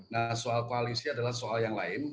nah soal koalisi adalah soal yang lain